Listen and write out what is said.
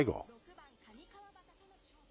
６番上川畑との勝負。